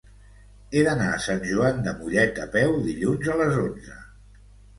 He d'anar a Sant Joan de Mollet a peu dilluns a les onze.